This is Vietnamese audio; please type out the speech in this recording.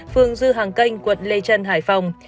phường dư hàng canh quận lê trân hải phòng